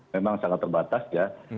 memang sangat terbatas ya